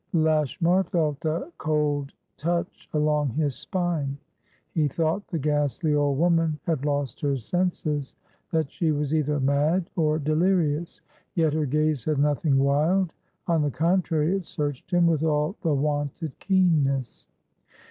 Lashmar felt a cold touch along his spine. He thought the ghastly old woman had lost her senses, that she was either mad or delirious. Yet her gaze had nothing wild; on the contrary, it searched him with all the wonted keenness.